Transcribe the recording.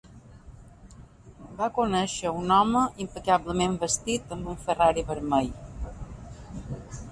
Va conèixer a un home impecablement vestit amb un Ferrari vermell.